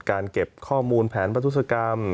เก็บข้อมูลแผนประทุศกรรม